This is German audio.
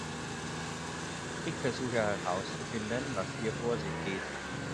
Ich versuche herauszufinden, was hier vor sich geht.